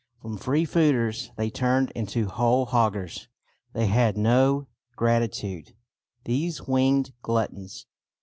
From free fooders they turned into whole hoggers. They had no gratitude, these winged gluttons.